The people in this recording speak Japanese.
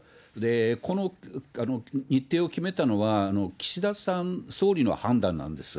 この日程を決めたのは岸田さん、総理の判断なんです。